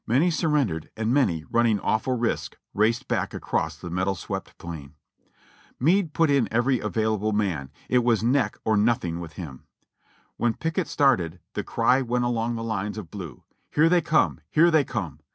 Many surrendered, and many, running awful risks, raced back across the metal swept plain. Meade put in every available man ; it was neck or nothing with him. When Pickett started, the cry went along the lines of blue, "Here they come! Here they come!"